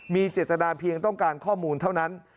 มีเจตนาเพียงต้องการข้อมูลเท่านั้น